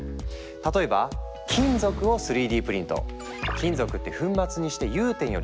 例えば金属を３Ｄプリント！